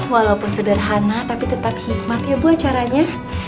walaupun sederhana tapi tetap hikmatnya bu acaranya